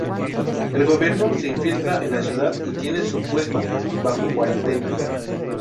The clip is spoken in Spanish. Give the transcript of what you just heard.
El gobierno se infiltra en la ciudad y tiene su puesto bajo cuarentena.